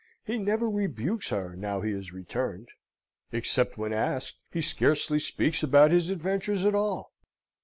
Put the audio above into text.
He never rebukes her now he is returned. Except when asked, he scarcely speaks about his adventures at all.